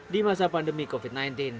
di masa pandemi covid sembilan belas